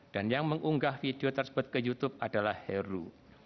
dan yang mengunggah video tersebut ke youtube adalah heru